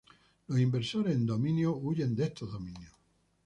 Los inversores en dominios huyen de estos dominios.